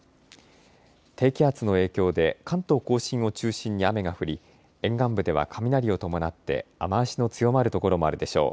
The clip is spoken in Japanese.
低気圧の影響で関東甲信を中心に雨が降り沿岸部では雷を伴って雨足の強まる所もあるでしょう。